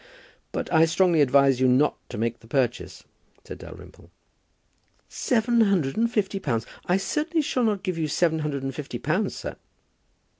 "But I strongly advise you not to make the purchase," said Dalrymple. "Seven hundred and fifty pounds! I certainly shall not give you seven hundred and fifty pounds, sir."